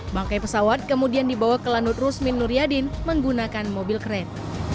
bangkai pesawat kemudian dibawa ke lanut rusmin nuryadin menggunakan mobil kred